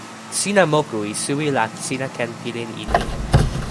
sina moku e suwi la sina ken pilin e ni.